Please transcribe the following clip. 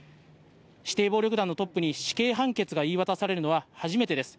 指定暴力団のトップに死刑判決が言い渡されるのは初めてです。